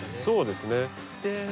そうですね。